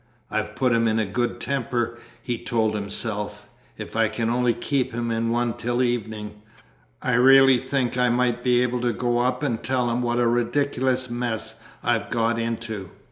"I've put him in a good temper," he told himself; "if I can only keep him in one till the evening, I really think I might be able to go up and tell him what a ridiculous mess I've got into.